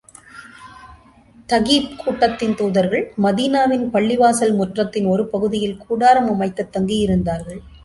தகீப் கூட்டத்தின் தூதர்கள், மதீனாவின் பள்ளிவாசல் முற்றத்தின் ஒரு பகுதியில் கூடாரம் அமைத்துத் தங்கியிருந்தார்கள்.